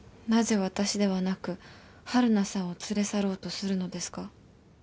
なぜ私ではなく晴汝さんを連れ去ろうとするのですか？